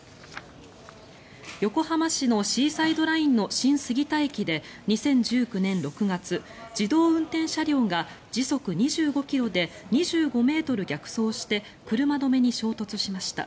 横浜市のシーサイドラインの新杉田駅で２０１９年６月、自動運転車両が時速２５ｋｍで２５ｍ逆走して車止めに衝突しました。